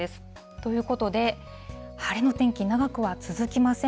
ということで、晴れの天気、長くは続きません。